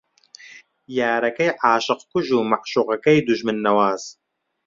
یارەکەی عاشق کوژ و مەعشووقەکەی دوژمن نەواز